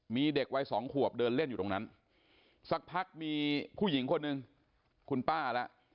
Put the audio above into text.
มีเด็กวัยสองขวบเดินเล่นอยู่ตรงนั้นสักพักมีผู้หญิงคนหนึ่งคุณป้าแล้ว